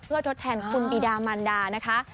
เพื่อทดแทนคุณบีดามันดานะคะ